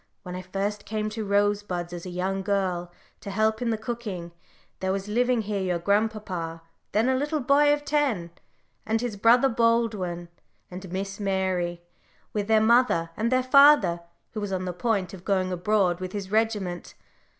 When I first came to Rosebuds as a young girl to help in the cooking, there was living here your grandpapa, then a little boy of ten, and his brother Baldwin, and Miss Mary, with their mother, and their father, who was on the point of going abroad with his regiment.